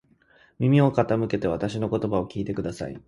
耳を傾けてわたしの言葉を聞いてください。